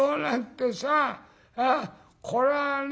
これはね